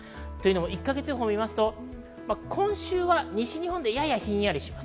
１か月予報を見ますと今週は西日本でややひんやりします。